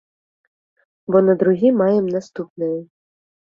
Бо на другі маем наступнае.